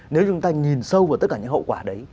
nếu chúng ta nhìn sâu vào tất cả những hậu quả đấy